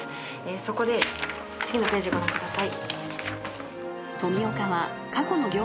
そこで次のページをご覧ください。